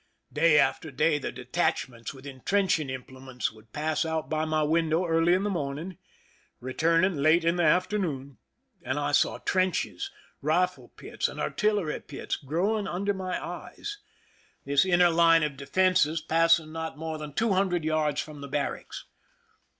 Day after day the detachments with intrenching implements would pass out by my window early in the morning, re turning late in the afternoon ; and I saw trenches, rifle pits, and artillery pits growing under my eyes, this inner line of defenses passing not more than two hundred yards from the barracks.